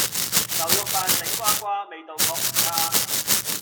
牛肉飯，頂呱呱，味道確唔差